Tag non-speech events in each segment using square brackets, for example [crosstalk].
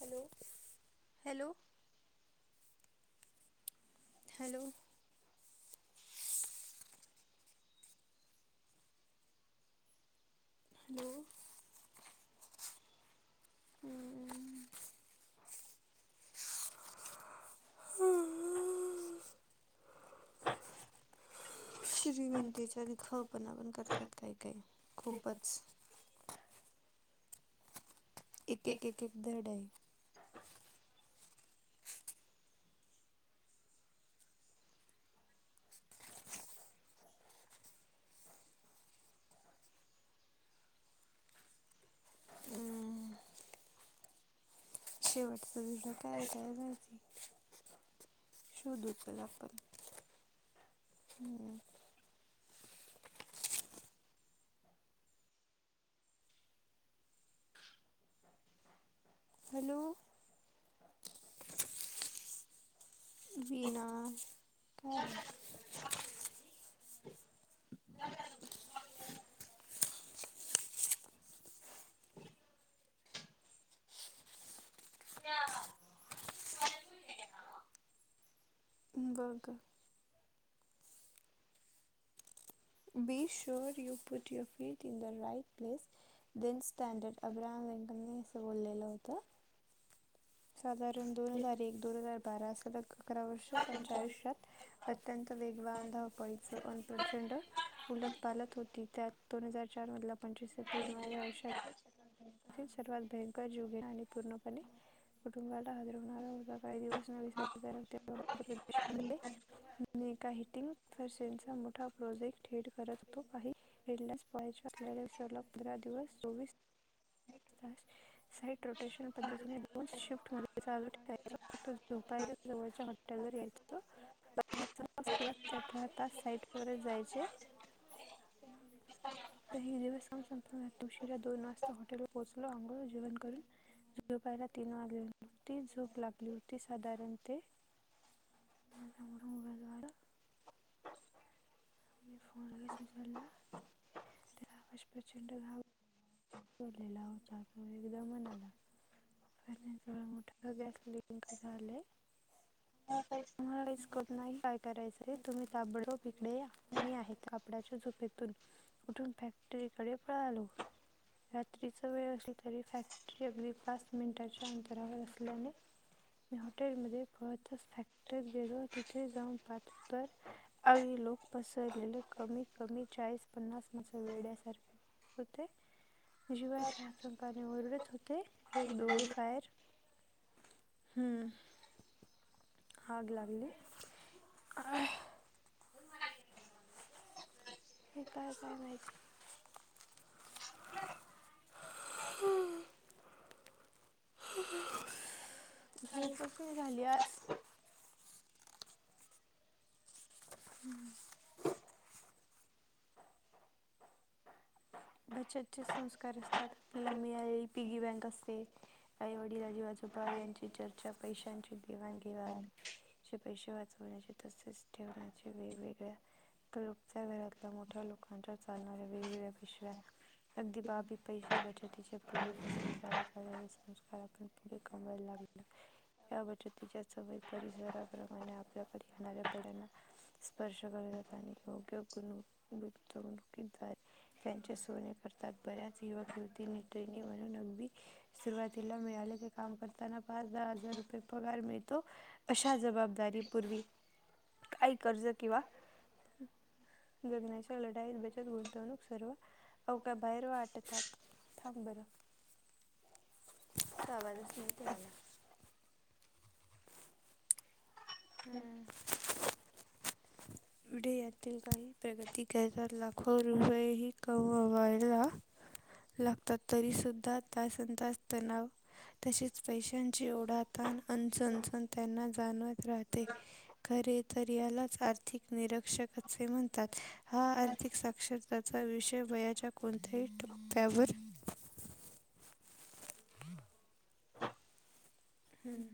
Hello. Hello. Hello. Hello. अम्मम्म. श्रीमंतीचा दिखावपना पण करतात, काही - काही खूपच. एक, एक, एक धडाय. शेवटचा धडा काय? काय महिती? शोधू चल आपण. हम्. [inaudible] हॅलो. विना, काय हे? बग. Be sure, you put your field, in the right place. Then standard. Abraham लिंकननी असं, बोललेलं होतं. साधारण दोन हजार, एक दोन हजार बारा. सलग अकरा वर्ष त्यांच्या आयुष्यात अत्यंत वेगवान, धावपळीच, अन प्रचंड उलत- पालत होती. त्यात दोन हजार चार मधला, पंचवीस एप्रिल माझ्या आयुष्यात [unintelligible] भयंकर जीवघेणा आणि कुटुंबाला, हादरवणारा हादरवणारा होता. काही दिवस न विसरता त्याला [unintelligible] एका हीटिंग फॅशन चा मोठा प्रोजेक्ट हेड करत तो काही [unintelligible] दिवस चोवीस साइट रोटेशन पद्धतीने दोन शिफ्ट होणे चालू ठेवायचं [inaudible] जवळच्या हॉटेलवर वर यायचं [inaudible] अठरा तास साइटवरच जायचे [unintelligible] उशिरा दोन वाजता हॉटेलवर पोहोचलो अंगोळ जेवण करून व्हिडिओ पहायला तीन वाजले ती झोप लागली होती साधारण ते [unintelligible] मी फोन लगेच उचलला तर आवाज प्रचंड घाब लेला होचा तो एकदा म्हणाला मोठा गॅस लींक झालाय [unintelligible] मला काहीच कळत नाही काय करायचं तुम्ही ताबडतोप इकडे या मी आहेत [unintelligible] झोपेतून उठून फॅक्टरीकडे पळालो रात्रीच वेळ असल तरी फॅक्टरी अगदी पास मिनटाच्या अंतरावर असल्याने मी हॉटेलमध्येतच पळतच तिथे गेलो तिथे जाऊन पाहतो तर आणि लोक पसरलेले कमीत कमी चाळीस पन्नास [unintelligible] वेड्यासारखे होते जीवाच्या आतंकाने ओरडत होते एक दोघे फायर ह आग लागली आग हे काय काय माहिती झोपच नाही झाली आज [inaudible] अच्छे अच्छे संस्कार असतात आपल्याला मिळालेली पिगी बँक असते आई वडील आजी आजोबा यांची चर्चा पैशांची घेवाणघेवाण पैसे वाचवण्याचे तसेच वेगवेगळ्या दरोजच्या घरातल्या मोठ्या लोकांच्या चालणाऱ्या वेगवेगळ्या अगदी [unintelligible] पैसे बचतीचे पूर्वी पासून चालत आलेले संस्कार पण पुढे कमवायला लागलं या बचतीच्या सवई परिसराप्रमाणे आपल्या कडे येणाऱ्या पिढ्यांना स्पर्श करत आणि योग्य [unintelligible] त्यांचे सोने करतात बऱ्याच युवक युवतीने ट्रेनी बणून अगदी सुरुवातीला मिळाले हे काम करताना पाच दहा हजार रुपये पगार मिळतो अशा जबाबदारी पूर्वी काही कर्ज किंवा जगण्याच्या लढाईत बचत सर्व अवका बाहेर वाटतात थांब बरं त आवाजच मिते मला हम्म उडयातें का प्रगती करत लाखो रुपये ही कमवाईला लागतात तरी सुद्धा तास तास तणाव तसेच पैश्यांची ओढाताण आण चनचण त्यांना जाणवतं राहते खरे तर यालाच आर्थिक निरक्षक असे म्हणतात हा आर्थिक साक्षरताचा विषय वयाच्या कोणत्याही टप्प्यावर हम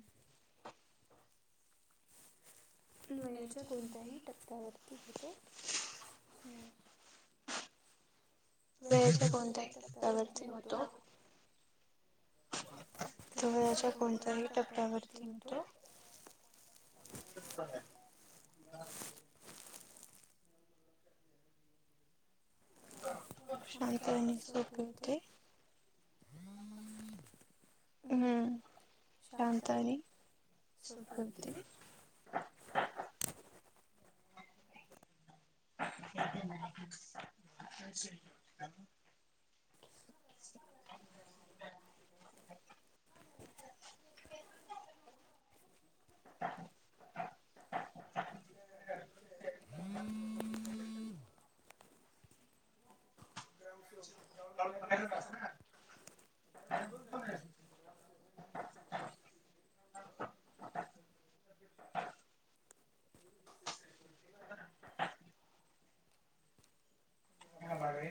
वयाच्या कोणत्याही टप्प्यावरती होतो वेळेच्या कोणत्याही टप््यावरती होतो वयाच्या कोणत्याही टप्प्यावरती होतो सुरू झालय शांत आणि सोपे होते हम्म शांत आणि सोपे होते हम काल बाहेर होतास ना काय बाळ हे